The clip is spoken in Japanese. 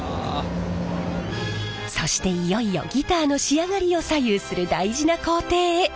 そしていよいよギターの仕上がりを左右する大事な工程へ。